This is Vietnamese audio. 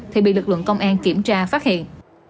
thì bị lực lượng công an kiểm tra phát hiện